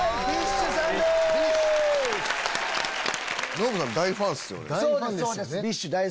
ノブさん大ファンですよね。